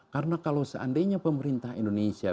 karena kalau seandainya pemerintah indonesia